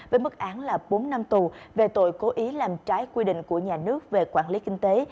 với mức án là bốn năm tù về tội cố ý làm trái quy định của nhà nước về quản lý kinh tế